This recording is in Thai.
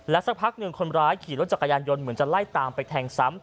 สักพักหนึ่งคนร้ายขี่รถจักรยานยนต์เหมือนจะไล่ตามไปแทงซ้ำ